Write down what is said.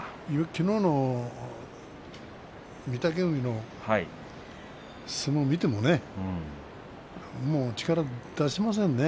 きのうの御嶽海の相撲を見てもね力、出しませんね。